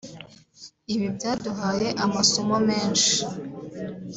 ibi byaduhaye amasomo menshi”